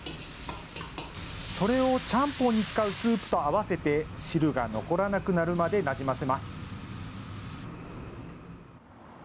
それをちゃんぽんに使うスープと合わせて汁が残らなくなるまでなじませます。